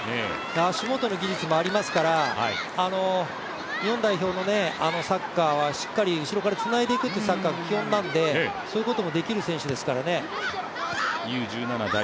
足元の技術もありますから日本代表のサッカーはしっかり後ろからつないでいくサッカーが基本なのでそういうこともできる選手ですからね。